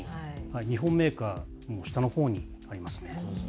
日本メーカーは下のほうにありますね。